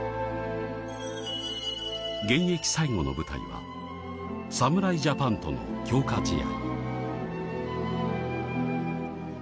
現役最後の舞台は侍ジャパンとの強化試合